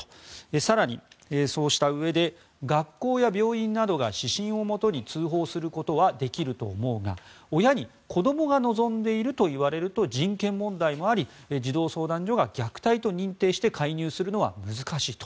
更に、そうしたうえで学校や病院などが指針をもとに通報することはできると思うが親に子どもが望んでいると言われると人権問題もあり児童相談所が虐待と認定して介入するのは難しいと。